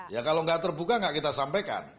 ya kalau nggak terbuka nggak kita sampaikan